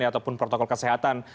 ataupun protokol kesehatan